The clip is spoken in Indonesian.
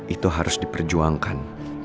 itu harus diperjuangkan